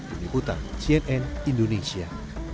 dini putar cnn indonesia